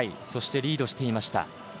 そしてリードしていました。